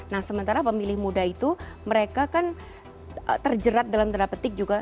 nah sementara pemilih muda itu mereka kan terjerat dalam tanda petik juga